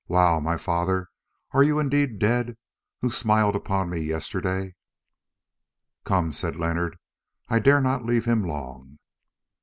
Wow, my father, are you indeed dead, who smiled upon me yesterday?" "Come," said Leonard; "I dare not leave him long."